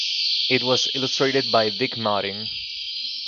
It was illustrated by Dick Martin.